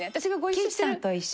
貴一さんと一緒。